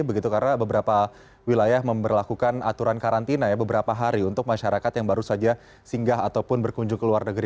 begitu karena beberapa wilayah memperlakukan aturan karantina ya beberapa hari untuk masyarakat yang baru saja singgah ataupun berkunjung ke luar negeri